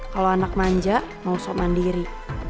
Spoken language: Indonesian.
kalo anak manja mau sok mandiri